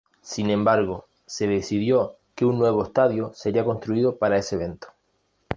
Sin embargo, se decidió que un nuevo estadio sería construido para ese evento.